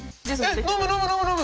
えっ飲む飲む飲む飲む！